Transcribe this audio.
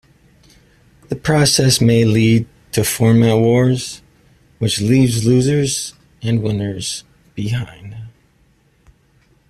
The process may lead to format wars, which leaves losers and winners behind.